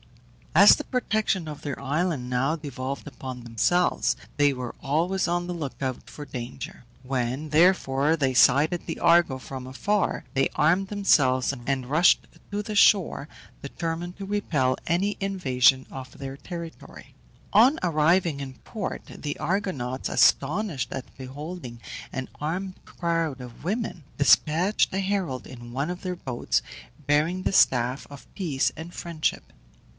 As the protection of their island now devolved upon themselves they were always on the look out for danger. When, therefore, they sighted the Argo from afar they armed themselves and rushed to the shore, determined to repel any invasion of their territory. On arriving in port the Argonauts, astonished at beholding an armed crowd of women, despatched a herald in one of their boats, bearing the staff of peace and friendship.